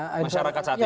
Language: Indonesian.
masyarakat saat ini ya